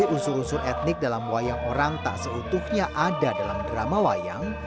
unsur unsur etnik dalam wayang orang tak seutuhnya ada dalam drama wayang